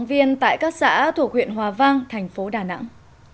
nhân viên tại các xã thuộc huyện hòa vang thành phố đà nẵng